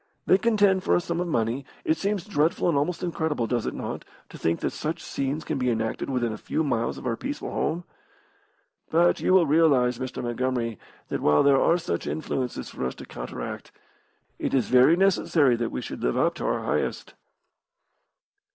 They contend for a sum of money. It seems dreadful and almost incredible does it not? to think that such scenes can be enacted within a few miles of our peaceful home. But you will realise, Mr. Montgomery, that while there are such influences for us to counteract, it is very necessary that we should live up to our highest."